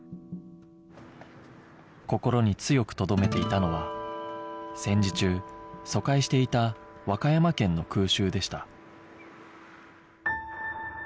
心に強くとどめていたのは戦時中疎開していた和歌山県の空襲でした